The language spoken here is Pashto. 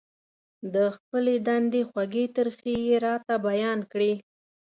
د خپلې دندې خوږې ترخې يې راته بيان کړې.